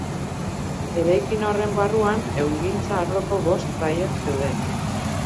Eraikin horren barruan ehungintza arloko bost tailer zeuden.